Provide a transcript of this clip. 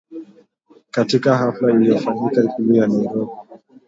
katika hafla iliyofanyika Ikulu ya Nairobi